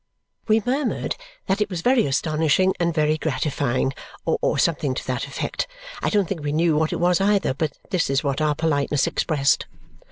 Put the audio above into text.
We murmured that it was very astonishing and very gratifying, or something to that effect. I don't think we knew what it was either, but this is what our politeness expressed.